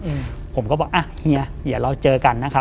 อืมผมก็บอกอ่ะเฮียเดี๋ยวเราเจอกันนะครับ